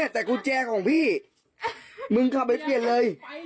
เนี่ยแต่กุญแจของพี่มึงขับไปเปลี่ยนเลยไปเลย